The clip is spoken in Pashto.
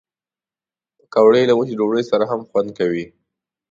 پکورې له وچې ډوډۍ سره هم خوند کوي